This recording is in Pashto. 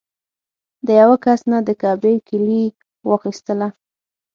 د یوه کس نه د کعبې کیلي واخیستله.